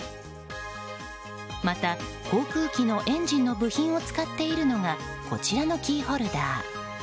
また航空機のエンジンの部品を使っているのがこちらのキーホルダー。